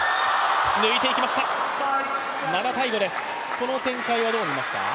この展開はどう見ますか？